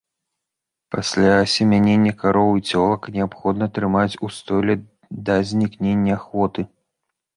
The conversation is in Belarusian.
Пасля асемянення кароў і цёлак неабходна трымаць ў стойле да знікнення ахвоты.